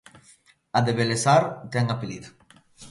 A de Belesar ten apelido.